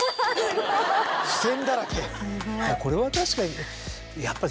これは確かに。